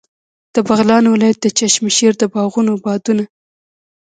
د بغلان ولایت د چشم شیر د باغونو بادونه.